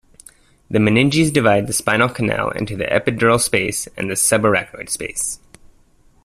The meninges divide the spinal canal into the epidural space and the subarachnoid space.